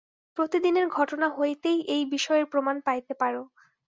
প্রতিদিনের ঘটনা হইতেই এই বিষয়ের প্রমাণ পাইতে পার।